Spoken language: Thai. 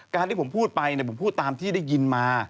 ที่ผมพูดไปผมพูดตามที่ได้ยินมา